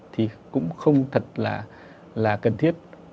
thì cũng không thật là cần thiết